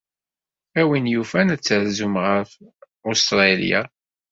A win yufan ad terzum ɣef Ustṛalya.